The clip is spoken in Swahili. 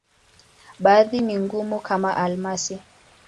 Baadhi ni ngumu, kama almasi.